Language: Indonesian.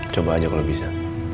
coba aja kalau bisa